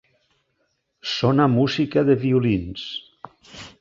Sona música de violins.